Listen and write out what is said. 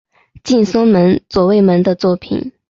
近松门左卫门的作品。